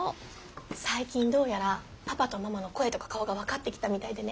最近どうやらパパとママの声とか顔が分かってきたみたいでね